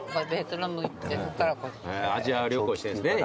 アジア旅行してんですね